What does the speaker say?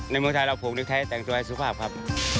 ในเมืองไทยเราผูกในไทยแต่งตัวให้สุภาพครับ